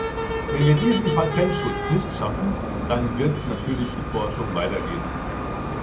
Wenn wir diesen Patentschutz nicht schaffen, dann wird natürlich die Forschung weitergehen.